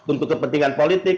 untuk kepentingan politik